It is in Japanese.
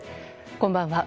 こんばんは。